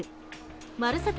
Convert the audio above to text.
「まるサタ」